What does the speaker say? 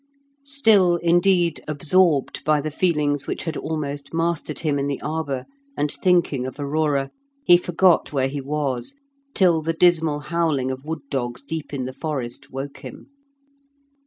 Still, indeed, absorbed by the feelings which had almost mastered him in the arbour, and thinking of Aurora, he forgot where he was, till the dismal howling of wood dogs deep in the forest woke him.